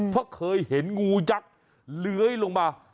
เพราะเคยเห็นงูยักษ์เลื้อยลงมา